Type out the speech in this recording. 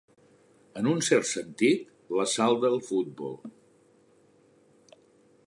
En un cert sentit, la sal del futbol.